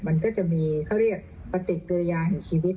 มันก็จะมีเขาเรียกปฏิกิริยาแห่งชีวิต